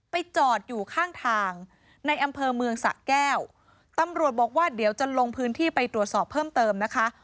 จอดอยู่ข้างทางในอำเภอเมืองสะแก้วตำรวจบอกว่าเดี๋ยวจะลงพื้นที่ไปตรวจสอบเพิ่มเติมนะคะ